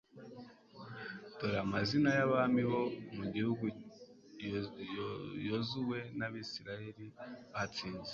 dore amazina y'abami bo mu gihugu yozuwe n'abayisraheli batsinze